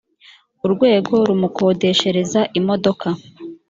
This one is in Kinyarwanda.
urwego rumukodeshereza imodoka